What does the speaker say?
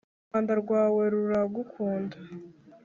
u rwanda rwawe ruragukunda,